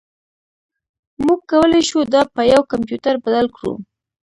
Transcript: موږ کولی شو دا په یو کمپیوټر بدل کړو